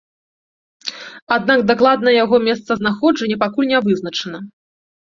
Аднак дакладнае яго месцазнаходжанне пакуль не вызначана.